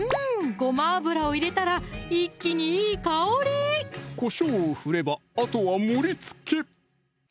ごま油を入れたら一気にいい香りこしょうを振ればあとは盛りつけ！